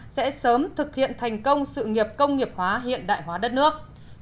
sẽ sớm thực hiện thành công sự nghiệp công nghiệp hóa hiện đại hóa đất nước